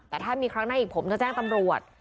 แต่ถ้ามีครั้งหน้าอีกผมจะแจ้งตำรวจ